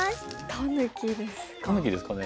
タヌキですかね。